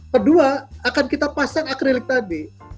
kedua akan kita pasang akrilik tadi